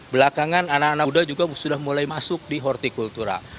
belakangan anak anak muda juga sudah mulai masuk di hortikultura